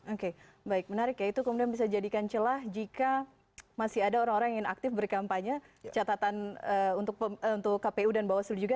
oke baik menarik ya itu kemudian bisa jadikan celah jika masih ada orang orang yang ingin aktif berkampanye catatan untuk kpu dan bawaslu juga